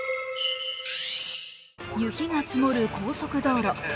雪が積もる高速道路。